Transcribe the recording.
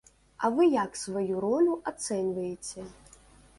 А вы як сваю ролю ацэньваеце?